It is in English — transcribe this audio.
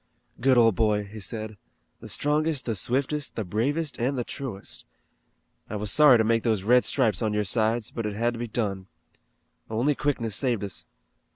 "Good old boy," he said; "the strongest, the swiftest, the bravest, and the truest. I was sorry to make those red stripes on your sides, but it had to be done. Only quickness saved us."